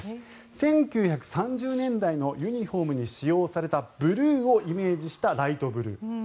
１９３０年代のユニホームに使用されたブルーをイメージしたライトブルー。